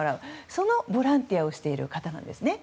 そのボランティアをしている方なんですね。